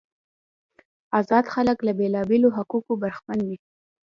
آزاد خلک له بیلابیلو حقوقو برخمن وو.